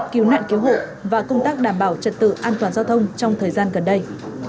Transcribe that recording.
cứu nạn cứu hộ và công tác đảm bảo trật tự an toàn giao thông trong thời gian gần đây